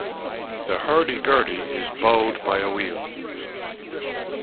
The hurdy-gurdy is bowed by a wheel.